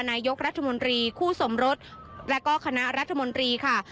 นายกรัฐมนตรีคู่สมรสแล้วก็คณะรัฐมนตรีค่ะ